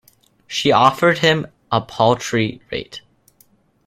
She offered him a paltry rate.